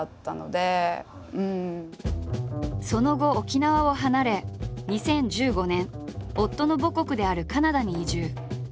その後沖縄を離れ２０１５年夫の母国であるカナダに移住。